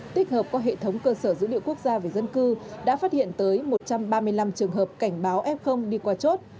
tích hợp qua hệ thống cơ sở dữ liệu quốc gia về dân cư đã phát hiện tới một trăm ba mươi năm trường hợp cảnh báo f đi qua chốt